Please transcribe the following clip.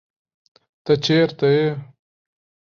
ته چېرته يې